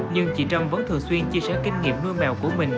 nhưng chị trâm vẫn thường xuyên chia sẻ kinh nghiệm nuôi mèo của mình